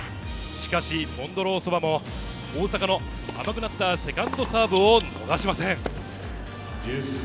しかし、ボンドロウソバも大坂の甘くなったセカンドサーブを逃しません。